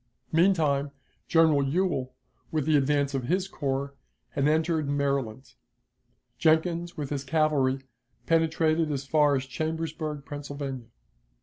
Meantime, General Ewell, with the advance of his corps, had entered Maryland. Jenkins, with his cavalry, penetrated as far as Chambersburg, Pennsylvania.